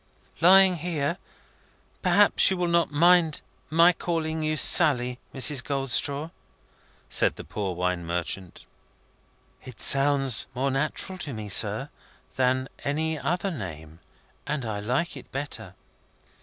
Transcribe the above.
"Lying here, perhaps you will not mind my calling you Sally, Mrs. Goldstraw?" said the poor wine merchant. "It sounds more natural to me, sir, than any other name, and I like it better."